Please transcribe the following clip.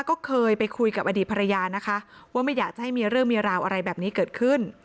ก็เคยไปคุยกับอดีตภรรยานะคะว่าไม่อยากจะให้มีเรื่องมีราวอะไรแบบนี้เกิดขึ้น